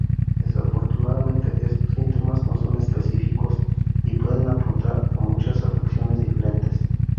Desafortunadamente, estos síntomas no son específicos y pueden apuntar a muchas afecciones diferentes.